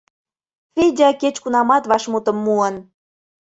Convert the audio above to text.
Федя кеч-кунамат вашмутым муын.